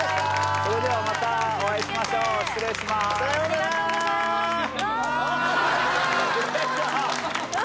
それではまたお会いしましょう失礼しますさようならあ！